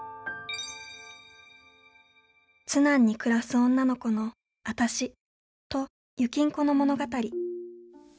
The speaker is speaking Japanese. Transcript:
津南に暮らす女の子のあたしとゆきんこの物語。